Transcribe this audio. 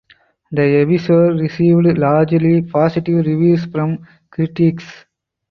The episode received largely positive reviews from critics.